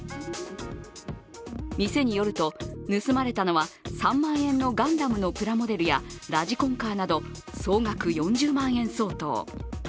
店によると、盗まれたのは３万円のガンダムのプラモデルやラジコンカーなど総額４０万円相当。